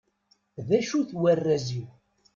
D acu-t warraz-iw?